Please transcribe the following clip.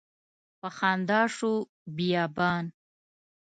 په خندا شو بیابان